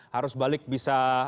harus balik bisa